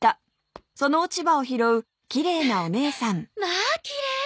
まあきれい。